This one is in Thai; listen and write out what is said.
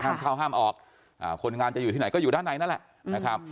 ห้ามเข้าห้ามออกคนงานจะอยู่ที่ไหนก็แหละอยู่ด้านใน